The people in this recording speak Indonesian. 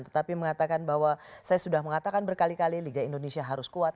tetapi mengatakan bahwa saya sudah mengatakan berkali kali liga indonesia harus kuat